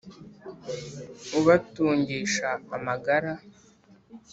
Ubatungisha amagara.